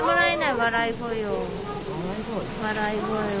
笑い声を。